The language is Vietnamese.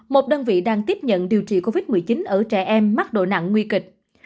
một đơn vị đang tiếp nhận điều trị covid một mươi chín ở trẻ em mắc độ nặng nguy kịch